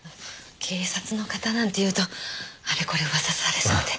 警察の方なんて言うとあれこれ噂されそうで。